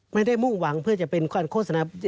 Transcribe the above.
ไม่ได้มุ่งหวังเพื่อจะเป็นโฆษณา